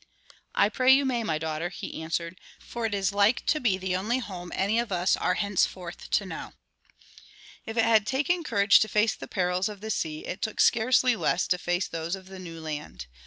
"I pray you may, my daughter," he answered, "for it is like to be the only home any of us are henceforth to know." If it had taken courage to face the perils of the sea it took scarcely less to face those of the new land.